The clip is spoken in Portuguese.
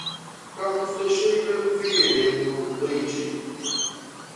Carlos Teixeira Figueiredo Leite